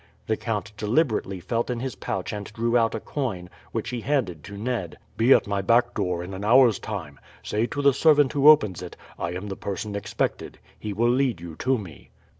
The count deliberately felt in his pouch and drew out a coin, which he handed to Ned. "Be at my back door in an hour's time. Say to the servant who opens it, 'I am the person expected.' He will lead you to me."